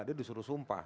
dia disuruh sumpah